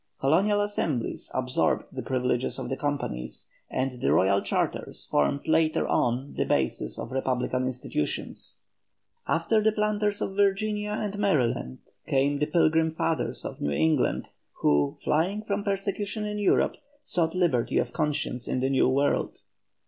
Colonial assemblies absorbed the privileges of the companies, and the royal charters formed later on the basis of republican institutions. After the planters of Virginia and Maryland came the PILGRIM FATHERS of New England, who, flying from persecution in Europe, sought liberty of conscience in the New World.